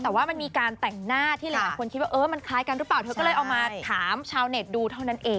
แต่ว่ามันมีการแต่งหน้าที่หลายคนคิดว่าเออมันคล้ายกันหรือเปล่าเธอก็เลยเอามาถามชาวเน็ตดูเท่านั้นเอง